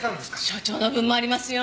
所長の分もありますよ。